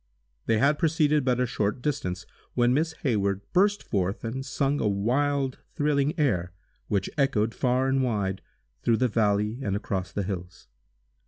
They had proceeded but a short distance, when Miss Hayward burst forth, and sung a wild, thrilling air, which echoed far and wide, through the valley and across the hills.